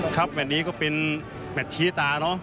ครับแบบนี้ก็เป็นแมทชีตาเนอะ